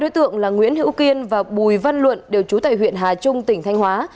hai đối tượng là nguyễn hữu kiên và bùi văn luận đều trú tại huyện hà trung tỉnh thanh hóa